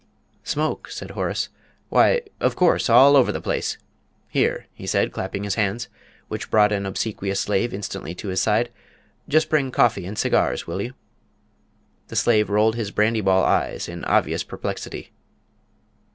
"Smoke?" said Horace, "Why, of course! All over the place. Here," he said, clapping his hands, which brought an obsequious slave instantly to his side; "just bring coffee and cigars, will you?" The slave rolled his brandy ball eyes in obvious perplexity.